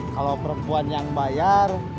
kalau perempuan yang bayar